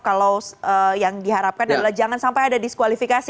kalau yang diharapkan adalah jangan sampai ada diskualifikasi